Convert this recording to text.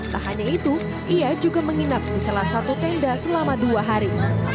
tak hanya itu ia juga menginap di salah satu tenda selama dua hari